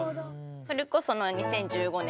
それこそ２０１５年